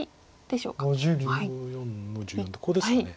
ここですね。